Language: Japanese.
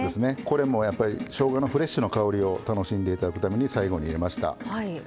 これもしょうがのフレッシュな香りを楽しんで頂くために最後に入れました。